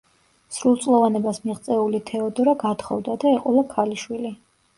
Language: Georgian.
სრულწლოვანებას მიღწეული თეოდორა გათხოვდა და ეყოლა ქალიშვილი.